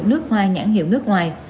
nước hoa nhãn hiệu nước ngoài